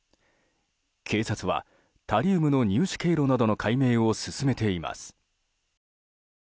警察は、タリウムの入手経路などの解明を進めています。